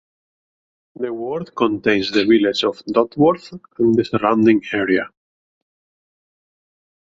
The ward contains the village of Dodworth and the surrounding area.